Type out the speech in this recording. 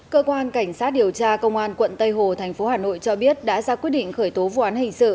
cơ quan cảnh sát điều tra công an quận tây hồ thành phố hà nội cho biết đã ra quyết định khởi tố vụ án hình sự